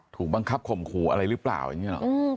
ถูกบังคับข่มขู่อะไรหรือเปล่าอย่างนี้หรอ